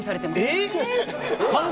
えっ！